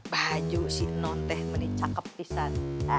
baju si non teh menicak kepisan